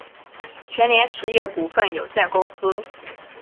全联实业股份有限公司